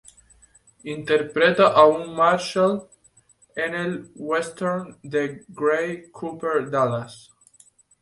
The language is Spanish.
Interpreta a un Marshal, en el western de "Gary Cooper" "Dallas".